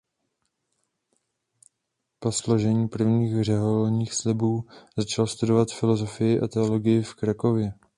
Po složení prvních řeholních slibů začal studovat filosofii a teologii v Krakově.